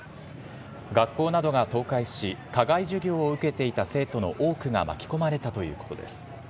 学校などが倒壊し、課外授業を受けていた生徒の多くが巻き込まれたということです。